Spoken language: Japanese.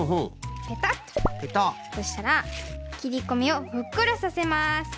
そしたらきりこみをふっくらさせます。